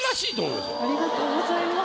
ありがとうございます。